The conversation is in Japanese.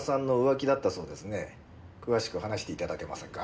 詳しく話して頂けませんか？